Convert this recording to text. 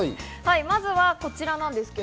まずはこちらです。